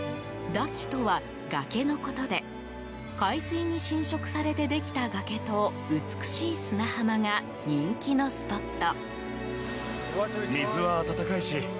ダキとは崖のことで海水に浸食されてできた崖と美しい砂浜が人気のスポット。